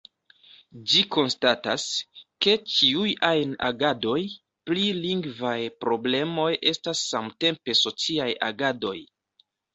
Ĝi konstatas, ke "ĉiuj ajn agadoj pri lingvaj problemoj estas samtempe sociaj agadoj".